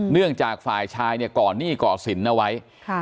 เนื่องจากฝ่ายชายเนี่ยก่อหนี้ก่อสินเอาไว้